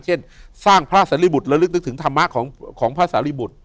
เช่นสร้างพระเสริบุตรและลึกนึกถึงธรรมะของพระสาริบุตร